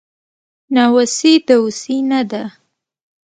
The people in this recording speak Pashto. ناوسي دووسي نده